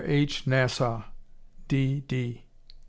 H. Nassau, D.D.